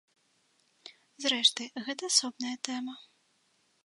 Зрэшты, гэта асобная тэма.